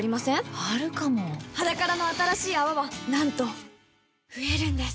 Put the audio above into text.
あるかも「ｈａｄａｋａｒａ」の新しい泡はなんと増えるんです